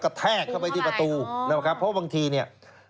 กระแทกเข้าไปที่ประตูเพราะบางที